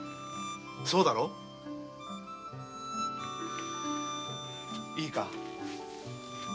そうだろう？いいか？